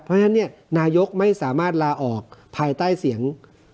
เพราะฉะนั้นนายกไม่สามารถลาออกภายใต้เสียง